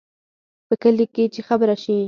په کلي کې چې خبره شي،